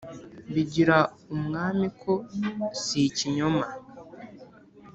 bigira umwami ko si ikinyoma